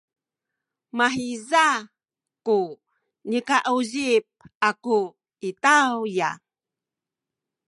mahiza ku nikauzip aku i tawya.